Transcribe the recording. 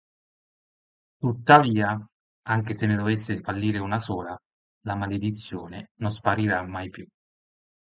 Tuttavia, anche se ne dovesse fallire una sola, la maledizione non sparirà mai più.